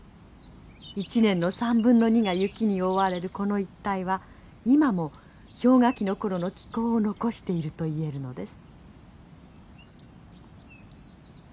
一年の３分の２が雪に覆われるこの一帯は今も氷河期の頃の気候を残していると言えるのです。